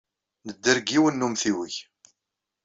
Nedder deg yiwen n umtiweg.